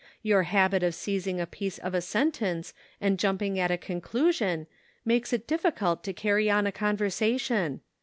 Your habit of seizing a piece of a sen tence and jumping at a conclusion makes it difficult to carry on a conversation.